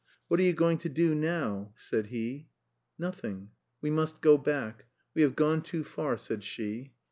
"What are you going to do now?" said he. "Nothing. We must go back. We have gone too far," said she.